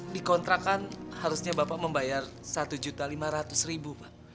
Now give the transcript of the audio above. di kontrakan harusnya bapak membayar rp satu lima ratus pak